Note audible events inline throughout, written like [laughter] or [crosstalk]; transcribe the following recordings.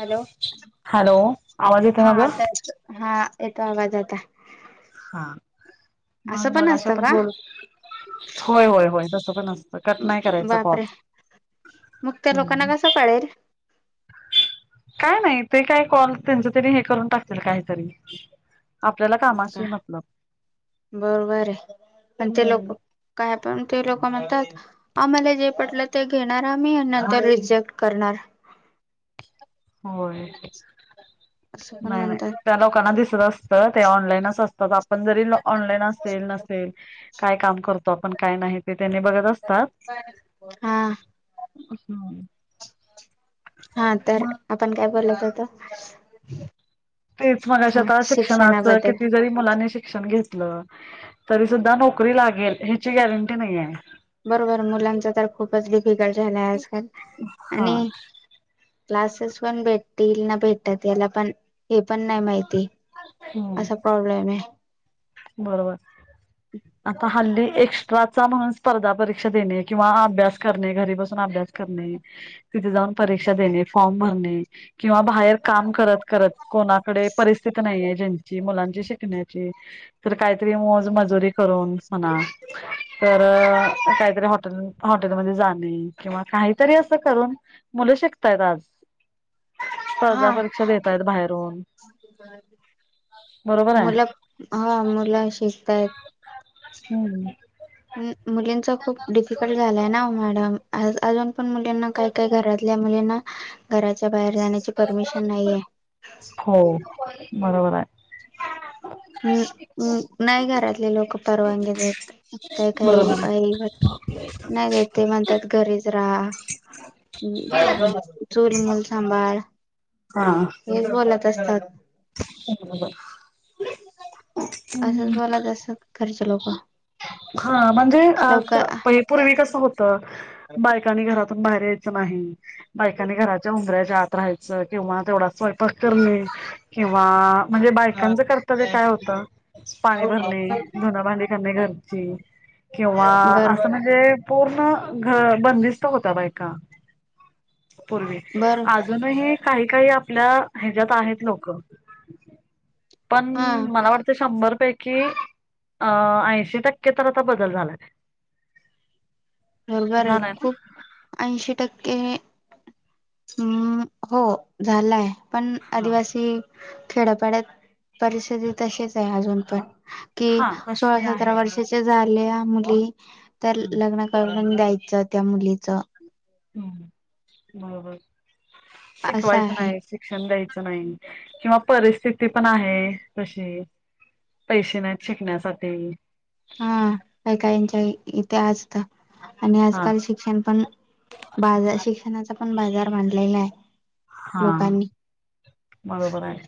Hello! Hello आवाज येतोय हा माझा आता येतो हा. येतो आवाज आता. हा! मग असं पण मगाशी असतं आपण का बोलत होय, होय, होय, तस. पण असत. बापरे मग त्या लोकांना हम्म कस कळेल. काय नाही, ते काय कॉल त्यांच तेनी हे करून टाकतील काहीतरी. आपल्याला कामाशी का मतलब बरोबर आहे, पण ते लोक हम्म काय पण ते लोक. म्हणतात आम्हाला जे पटलं ते घेणार आम्ही नंतर रिजेक्ट करणार. होय असं पण नाही, नाही, म्हणतात त्या लोकांना दिसत असत. ते ऑनलाईनच असतात. आपण जरी ऑनलाईन असेल-नसेल काय काम करतो आपण काय नाही ते त्यांनी बघत असतात. हा हम्. हा तर आप - - पण काय बोलत होतो. तेच मग अ हा आता शिक्षणाच शिक्षणाबद्दल किती जरी मुलांनी शिक्षण घेतलं. तरी सुद्धा नोकरी लागेल ह्याची गॅरंटी नाही आहे बरोबर मुलांचं तर खुपचं डिफीकल्ट झालयं आजकाल हा आणि क्लासेस पण भेटतील ना भेटतात याला पण हे पण नाही माहिती हम्म असा प्रॉब्लेम हाय. बरोबर. आता हल्ली - - एक्स्ट्राचा म्हणून स्पर्धा परीक्षा देणे किंवा अभ्यास करणे. घरी बसून अभ्यास करणे. तिथे जाऊन परीक्षा देणे. फॉर्म भरणे किंवा बाहेर काम करत करत. कोणाकडे परिस्थिती नाहीये ज्यांची मुलां शिकण्याची - - तर काहीतरी मोज मजुरी करून म्हणा तर काहीतरी हॉटे हॉटेलमध्ये जाणे किंवा काहीतरी असं करून मुलं शिकतय आज. स्पर्धा परीक्षा देतायतं बाहेरून बरोबर आहे मुला मुलं शिकताय. हम्म मुलींच खूप डिफिकल्ट झालय ना ओ मॅडम. अ अजून- - पण मुलींना काय काय घरातल्या मुलींना घराच्या- - बाहेर जाण्याची परमिशन नाहीय. हो. बरोबर हाय. हम्म्, हम. नाही घरातले लोक परवानगी देत. काय काय बरोबर [unintelligible] नाही देत ते म्हणतायत - - घरीचं रहा चूलमूल सांभाळ. हा. हेच बोलत असतात. [unintelligible] असंच हम्म बोलतं असतात घरचे लोक. हा लवकर म्हणजे पूर्वी कस होत बायकांनी घरात - - बाहेर यायचं नाही. बायकांनी घराच्या उंबऱ्यात जात राहायचं किंवा तेवढा स्वयंपाक करणे किंवा म्हणजे बायकांचं कर्तव्य काय होतं पाणी भरणे धुन भांडी करणे घर ते किंवा बर असं म्हणजे पूर्ण घ बंदिस्त होता बायका पूर्वी, बर अजूनही काही काही आप हिला ह्याच्यात आहेत लोकं [unintelligible] पण हा मला वाटतं शंभर पै की अ ऐंशी ट क्के तर आता बदल झालाय बरोबर आहे झालाय ना खूप ऐंशी टक्के हम्म हो झालाय. पण हा आदिवासी खेड्यापाड्यात परिस्थिती तशीच आहे अजून पण कि हा सोळा तशी आहे सतरा वर्षाचे झाल्या मुली तर हम्म लग्ना करून द्यायचं त्या मुलीच हम्म बरोबर. असं शिकवायचं आहे नाही, शिक्षण द्यायचं नाही किंवा परिस्थिती पण आहे तशी पैसे नाहीत शिकण्यासाठी हा काही काहींच्या इथे असत आणि हा आजकाल शिक्षण पण बाजार शिक्षणाचा पण बाजार मांडलेला आहे. हा लोकांनी बरोबर आहे.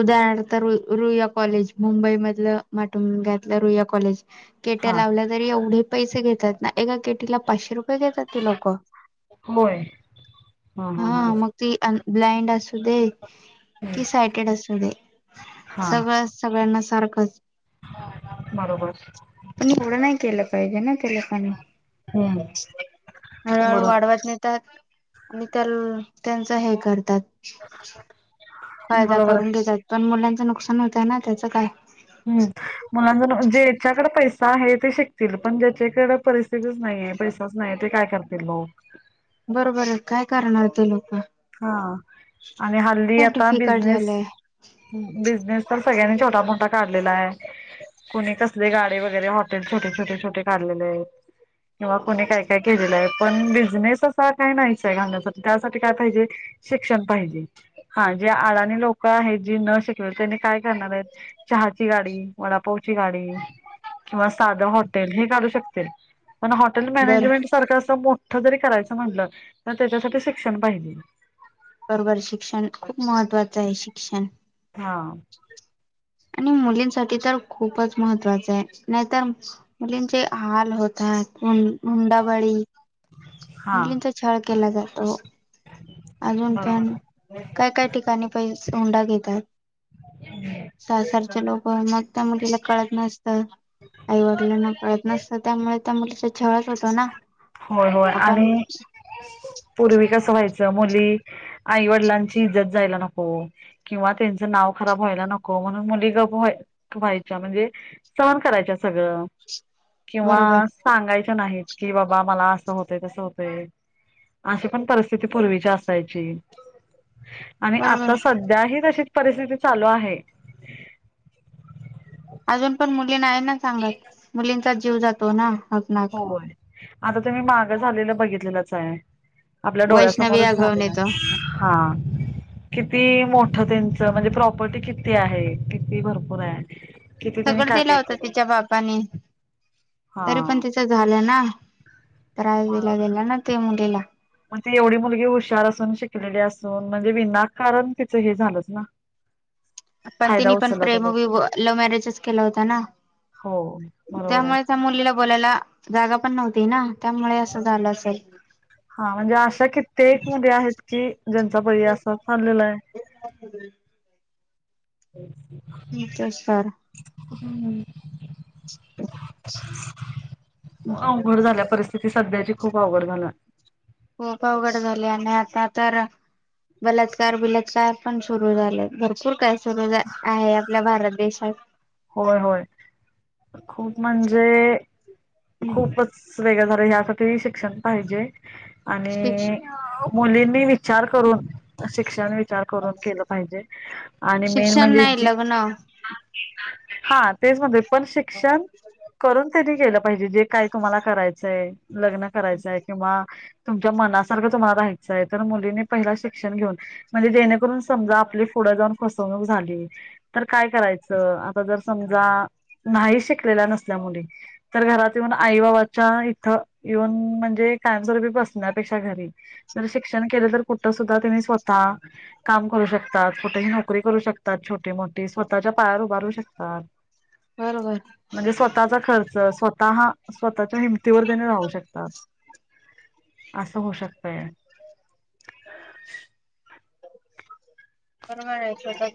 उदाहरणार्थ रु रुईया कॉलेज मुंबई मधलं माटुंग्यातल रुईया कॉलेज केट्या हा लावल्या तर एवढी पैसे घेतात ना एका केटीला पाचशे रुपये पण देतात ती लोकं होय हा मग ती ब्लाइंड असू दे की हं. सा केड असुदे हा सगळ सगळ्यांना सारखच बरोबर पण एवढं नाही केलं पाहिजे ना ते लकांनी हम्म हळूहळू बरोबर वाढवत नेतात आणि त्या त्यांच हे करतात [unintelligible] फायदा बरोबर करून घेतात पण मुलां नुकसान होतं ना त्याचं काय त्याच्याकडे पैसा आहे ते शिक पण ज्याच्याकडे परिस्थितीच नाहीे पैसाच नाही ते काय करत ते लोक बरोबर आहे काय करणारत लोक हा आणि हल्ली खूप आता डिफिकल्ट बिझनेस झालंय बिनेस सगळ्यांनी छोटा मोठा काढलेला आहे कुणी कसले गाडे वगैरे हॉटेल छोटे छोटे छोटे काढलेले आहेत किंवा कुणी काय काय केलेलं आहे पण बिझनेस असा काय नाहीच आहे घालण्यासाठी त्यासाठी काय पाहिजे शिक्षण पाहिजे हा जे अडाणी लोक आहेत जी न शिकवेल त्यांनी काय करणार आहेत चहाची गाडी वडापावची गाडी किंवा साधं हॉटेल हे काढू शकतील मण हॉटेल बर मॅनेजमेंट सारख असं जरी करायचं म्हटलं तर त्याच्यासाठी शिक्षण पाहिज बरोबर शिक्षण खूप महत्त्वाचं आहे शिक्षण हा आणि मुलींसाठी तर खूपच महत्त्वाचं आहे नाहीतर मुलींचे हाल होतात हुंडाबळी हा मुलींचा छळ केला जातो अजून पण बरोबर काय काय ठिकाणी पैसे सोंडा घेत सासरची लोक पण मग त्या मुलीला कळत नसतं आईवडिलांना कळत नसतं त्यामुळे त्या मुलीचा छळत होतं ना होय होय आपण आणि पूर्वी कसं व्हायच. मुली आई वडिलांची इज्जत जायला नको किंवा त्यांच नाव खराब व्हायला नको म्हणून मुली ग व्हाय व्हायच्या म्हणजे सहन करायच्या सगळं. किंवा बरोबर सांगायच नाही कि? मला अस होत तस होते अशी पण परिस्थिती पूर्वीची असायची. आणि बरोबर आता सध्याही तसेच. परिस्थिती चालू आहे. अजून पण मुली आहे ना सांगत मुलींचा जीव जातो ना? हकनाक हो आता तुम्ही मागं झालेलं बघितलेलंच आहे. आपल्या वैष्णवी डोळ्यासमोरच आगवून झालेला. येतो आहे हा कि? किती मोठं त्यांच म्हणजे प्रॉपर्टी किती आहे किती भरपूर आहे. किती त्यांनी सगळं काय दिलं काय होत केलं तिच्या बापानी तरी पण हा तिच. झालं ना मग राहिल्या गेला ना ते. ला [unintelligible] ती एवढी मुलगी हुशार असून. शिकलेली असून म्हणजे. विनाकारण तिचं हे झालंच ना? पण फायदा तिने पण उचलला त्या प्रेम वी लोकांनी लव्ह मॅरेजच केला होता ना, हो बरोबर आहे. त्यामुळे त्या मुलीला बोलायला जागा. पण नव्हती ना त्यामुळे असं झालं असेल? हा म्हणजे अशा कित्येक मुली आहेत की ज्यांचा बळी असा चाललेला आहे. अच् [unintelligible] क सर. [unintelligible] हम् [unintelligible] [unintelligible] अवघड झालीया परिस्थि ती सध्याची खूप अवघड झालं? खूप अवघड झालीय आणि आता तर, बलात्कार बिलत्कार पण सुरू झाले, भरपूर काय? सुरूच आहे आपल्या भारत देशात. होय होय खूप म्हणजे? खूपच वेगळं झालं ह्या तसही शिक्षण पाहिजे. शिक्ष आणि मुलींनी वि चार करून शिक्षण विचार करून केलं पाहिजे आणि मेन शिक्षण म्हणजे नाही जी लग्न हा तेच म्हणते. पण शिक्षण करून कधी गेलं? म्हणजे जे काय तुम्हाला करायचंय - - लग्न करायचाय किंवा तुमच्या मनासारखं तुम्हाला राहायचंय तर मुलीनी पहिला शिक्षण घेऊन म्हणजे जेणेकरून समजा आपली पुढं जाऊन फसवणूक झाली तर काय करायचं? जर समजा नाही शिकलेल्या नसल्या मुली तर, घरात येऊन आई बाबाच्या इथं येऊन म्हणजे कायमस्वरूपी बसण्यापेक्षा घरी जर शिक्षण केले, तर कुठे सुद्धा तुम्ही स्वतः काम करू शकतात, कुठेही नोकरी करू शकतात, छोटी - मोठीे स्वतःच्या पायावर उभारू शकतात. [unintelligible] बरोबर म्हणजे स्वतःचा खर्च स्वतः स्वतःच्या हिमतीवर त्यांनी राहू शकतात असं होऊ शकतय. [unintelligible] तरी सुधा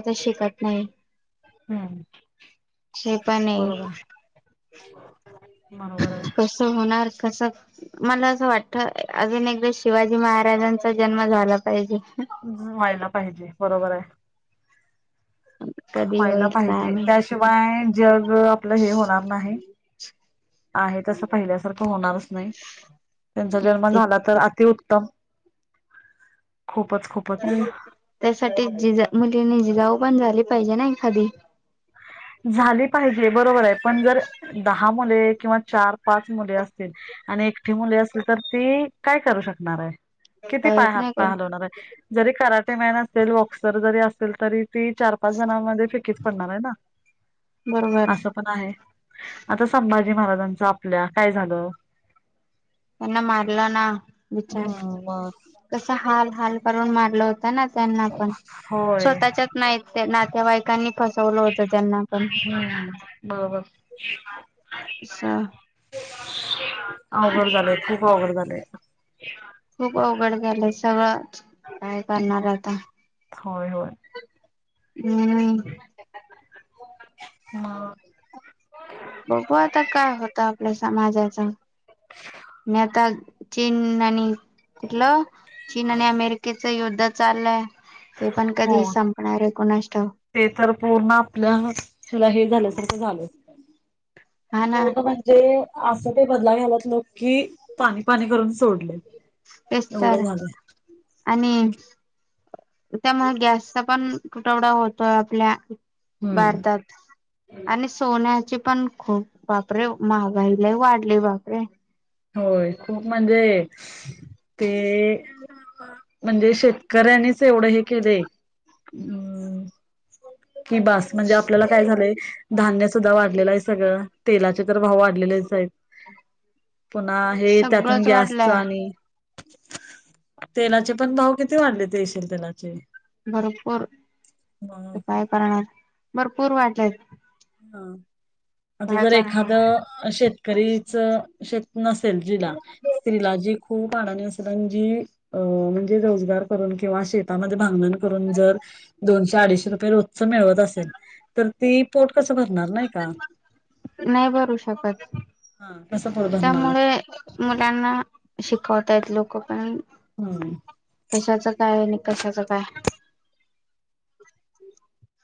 त्या शिकत नाही, हे पण आहे. बरोबर [unintelligible] बरोबर आहे. कस मला असं वाटत अजून एकदा शिवाजी महाराजांचा जन्म झाला पाहिजे होय ना पाहिजे बरोबर आहे. कधी व्हायला होईल काय पाहिजे माहित त्याशिवाय जग आपलं हे होणार नाही. आहे तस पहिल्यासारखं होणारच नाही, त्यांचा जन्म ते झाला तर अतिउत्तम खूपच-खूपच हम्म त्यासाठी जिजा म्हणजे जिजाऊ पण झाली पाहिजे ना एखादी झाली पाहिजे बरोबर आहे पण जर दहा मुले किंवा चार, पाच मुले असतील आणि एकटी मुलगी असली तर ती काय करू शकणार आहे किती पाय, काहीच हात नाही पाय, करू हलवणार आहे जरी करा कराटेमॅन असेल, बॉक्सर जरी असेल तरी ती चार-पाच जणांमध्ये फिकीच पडणार आहे ना? बरोबर असं पण आहे आता स संभाजी महाराजांच आपल्या काय झालं? त्यांना मारलना. विचार हम्म मग कसा हाल-हाल. करून मारलं होत ना? त्यांना पण, होय स्वतःच्याच नाही नातेवाईकांनी फसवलं होत त्यांना पण. शिवबा. सहा. ते [unintelligible] अवघड झाले आहे, खूप आवघड झाले. खूप अवघड झालंय सगळं. काय हा करणार आता? होय, होय. हम्म. [inaudible] हा होय. बघू आता काय होतं आपल्या समाजाच, मी आता चीन आणि. चीन आणि अमेरिकेच युद्ध. युद्ध चाललंय. ते पण हो कधी संपणार आहे कुणास ठाऊक ते तर पूर्ण आपल्या हे. झाल्यासारख झालं. हा ना सड म्हणजे असं ते बदला घ्याला न नोकी पाणी पाणी करून सोडले तेच एवढं तर झालं आणि त्यामुळे गॅसचा पण तुटवडा होतो आपल्या हम्म भारतात आणि सोन्याचे पण खूप बापरे महागाई लय वाढले बापरे होय खूप म्हणजे हम् हे म्हणजे शेतकऱ्यांनीच एवढं हे केले कि बास म्हणजे आपल्याला काय झालंय धान्य सुद्धा वाढलेलं आहे सगळं तेलाचे तर भाव वाढलेलेच आहेत पुन्हा हे त्यातून सगळंच गॅस च वाढलंय आणि तेलाचे पण भाव किती वाढले तेशील तेलाचे भरपूर मग काय करणार भरपूर वाढलेत हा आता काय जर एखाद करणार शेतकरीच चेक नसेल जिला स्त्रीलाजी खूप अडानी असतात आणि जी म्हणजे रोजगार करून किंवा शेतामध्ये भांगलून जर दोनशे अडिशे रुपये रोजच मिळवत असेल तर ती पोट कस नाही भरू शकत हा कसं पोट भरणार त्यामुळे मुलांना शिकवता येत. लोक पण.... हम्म कशाच काय नि. कशाचं काय.